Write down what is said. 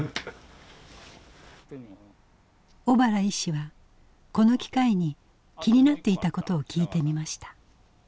小原医師はこの機会に気になっていたことを聞いてみました。